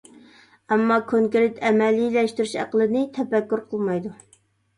ئەمما، كونكرېت ئەمەلىيلەشتۈرۈش ئەقلىنى تەپەككۇر قىلمايدۇ.